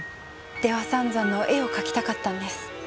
出羽三山の絵を描きたかったんです。